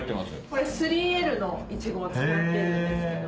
これ３Ｌのいちごを使っているんですけど。